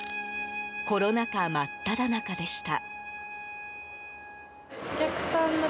コロナ禍真っただ中でした。